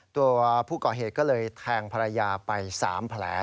ตัวผู้ก่อเหตุก็เลยแทงภรรยาไป๓แผล